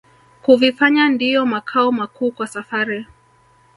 Kuvifanya ndiyo makao makuu kwa safari